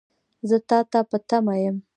زه تا ته په تمه یم .